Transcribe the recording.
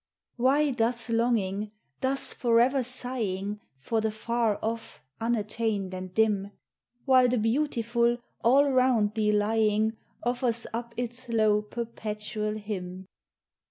Why thus longing, thus forever sighing For the far off, unattained, and dim, While the beautiful, all round thee lying, Offers up its low perpetual hymn?